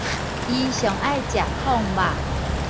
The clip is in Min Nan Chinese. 伊上愛食炕肉